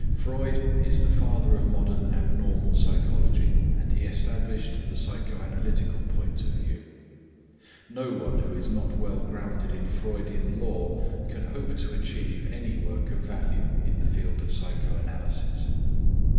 Freud is the father of modern abnormal psychology and he established the psychoanalytical point of view. No one who is not well grounded in Freudian lore can hope to achieve any work of value in the field of psychoanalysis.